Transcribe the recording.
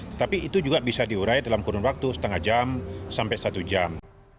tetapi itu juga bisa diurai dalam kurun waktu setengah jam sampai satu jam